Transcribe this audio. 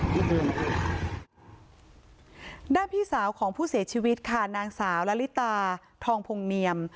ด้านพี่สาวของผู้เสียชีวิตค่ะนางสาวละลิตาทองพงเนียม